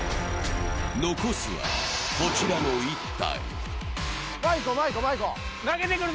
残すは、こちらの１体。